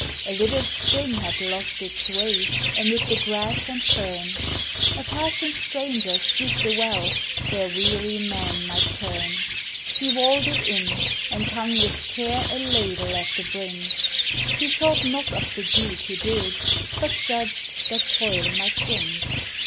A little spring had lost its way amid the grass and fern, A passing stranger scooped a well, where weary men might turn; He walled it in, and hung with care a ladle at the brink; He thought not of the deed he did, but judged that toil might drink.